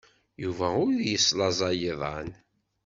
Yuba ur yeslaẓay iḍan.